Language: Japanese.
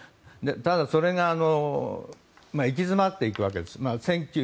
ただ、それが行き詰まっていくわけです。